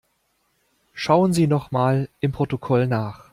Schauen Sie noch mal im Protokoll nach.